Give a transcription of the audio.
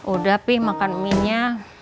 udah pih makan mie nya